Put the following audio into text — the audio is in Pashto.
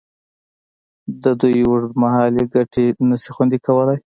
د دوی اوږدمهالې ګټې نشي خوندي کولې.